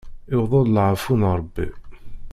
Iwweḍ laɛfu n Ṛebbi.